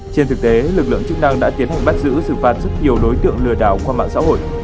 trên thực tế lực lượng chức năng đã tiến hành bắt giữ xử phạt rất nhiều đối tượng lừa đảo qua mạng xã hội